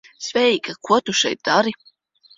Sveika. Ko tu šeit dari?